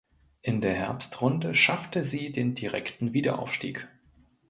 In der Herbstrunde schaffte sie den direkten Wiederaufstieg.